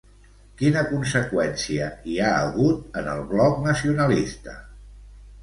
Quina conseqüència hi ha hagut en el Bloc Nacionalista?